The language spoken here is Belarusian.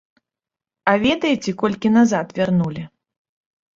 А ведаеце, колькі назад вярнулі?